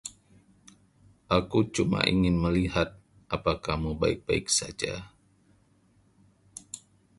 Aku cuma ingin melihat apa kamu baik-baik saja.